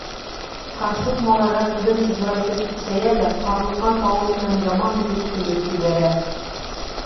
Ҡарсыҡ малайға күҙен тызырайтып тексәйә лә ҡарлыҡҡан тауыш менән яман итеп көлөп ебәрә: